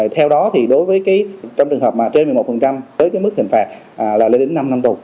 theo đó thì đối với trong trường hợp mà trên một mươi một với mức hình phạt là lên đến năm năm tù